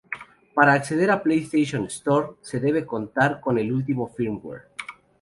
Para acceder a PlayStation Store se debe contar con el último firmware.